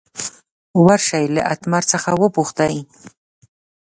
ور شئ له اتمر څخه وپوښتئ.